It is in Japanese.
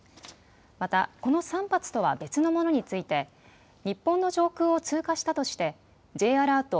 また、この３発とは別のものについて日本の上空を通過したとしてＪアラート